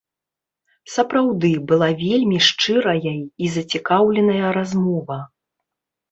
Сапраўды, была вельмі шчырая і зацікаўленая размова.